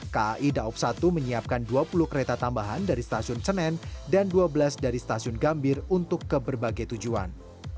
kai daob satu menyiapkan dua puluh kereta tambahan dari stasiun senen dan dua belas dari stasiun gambir untuk ke berbagai tujuan